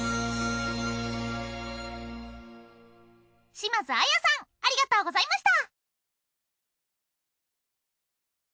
島津亜矢さんありがとうございました。